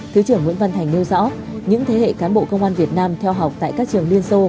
thứ trưởng nguyễn văn thành nêu rõ những thế hệ cán bộ công an việt nam theo học tại các trường liên xô